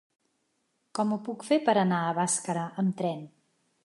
Com ho puc fer per anar a Bàscara amb tren?